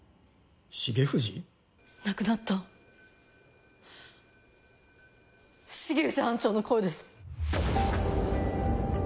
亡くなった重藤班長の声です。